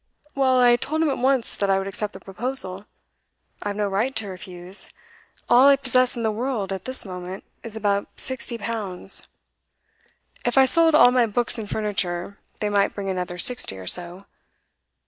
'Well, I told him at once that I would accept the proposal. I have no right to refuse. All I possess in the world, at this moment, is about sixty pounds. If I sold all my books and furniture, they might bring another sixty or so.